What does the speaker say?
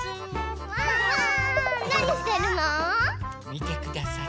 みてください。